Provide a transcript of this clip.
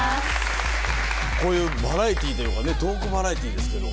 こういうバラエティーというかねトークバラエティーですけど。